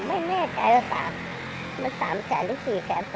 วันนี้เป็นเท่าไหร่ประมาณ๓๔๐๐บาทผมไม่แน่ใจ